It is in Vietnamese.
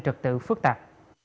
trực tự phức tạp